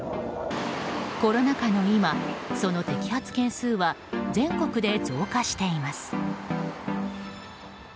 コロナ禍の今、その摘発件数は全国で増加しています。